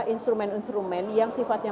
instrumen instrumen yang sifatnya